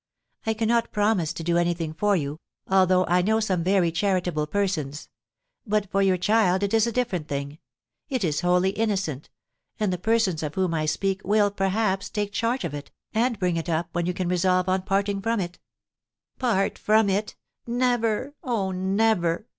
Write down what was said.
"I cannot promise to do anything for you, although I know some very charitable persons; but, for your child, it is a different thing; it is wholly innocent; and the persons of whom I speak will, perhaps, take charge of it, and bring it up, when you can resolve on parting from it." "Part from it! Never, oh, never!"